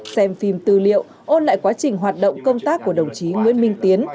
xem phim tư liệu ôn lại quá trình hoạt động công tác của đồng chí nguyễn minh tiến